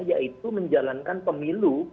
yaitu menjalankan pemilu